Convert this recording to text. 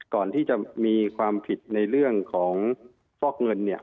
ก่อนที่จะมีความผิดในเรื่องของฟอกเงินเนี่ย